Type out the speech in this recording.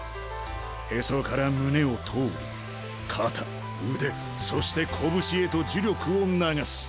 へそから胸を通り肩腕そして拳へと呪力を流す。